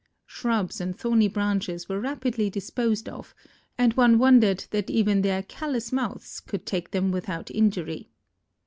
Shrubs and thorny branches were rapidly disposed of and one wondered that even their callous mouths could take them without injury.